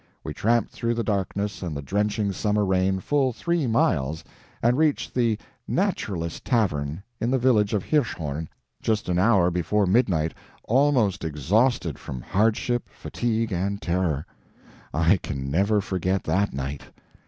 We tramped through the darkness and the drenching summer rain full three miles, and reached "The Naturalist Tavern" in the village of Hirschhorn just an hour before midnight, almost exhausted from hardship, fatigue, and terror. I can never forget that night.